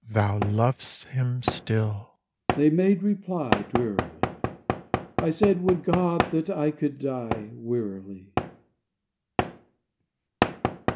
"Thou lov'st him still," they made reply, Drearily. I said, "Would God that I could die!" Wearily.